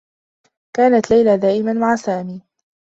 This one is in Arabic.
كانت ليلى دائما مع سامي.